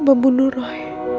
kalau aku bukan pembunuh roy